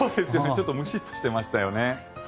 ちょっとムシッとしていましたよね。